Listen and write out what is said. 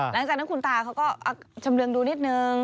หลังจากนั้นคุณตาเขาก็ชำเรืองดูนิดนึง